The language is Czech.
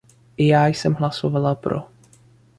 I já jsem hlasovala pro.